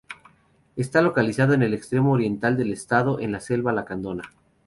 Está localizado en el extremo oriental del estado, en la Selva Lacandona.